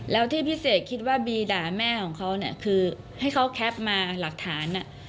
แล้วที่พี่เสกคิดว่าบีด่าแม่ของเขาเนี่ยคือให้เขาแคปมาหลักฐาน